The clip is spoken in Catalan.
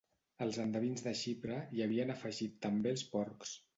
Els endevins de Xipre hi havien afegit també els porcs.